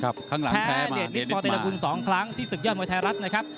แพ้เดทลิตปเตรลากุล๒ครั้งที่ศึกยอดมวยไทยรัฐนะครับ